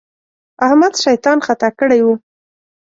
احمد شيطان خطا کړی وو.